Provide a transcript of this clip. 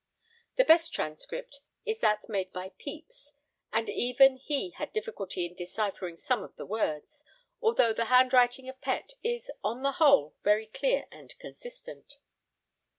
The best transcript is that made by Pepys; but even he had difficulty in deciphering some of the words, although the handwriting of Pett is, on the whole, very clear and consistent.